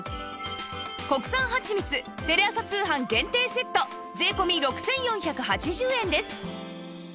国産はちみつテレ朝通販限定セット税込６４８０円です